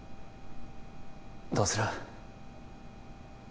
どうする？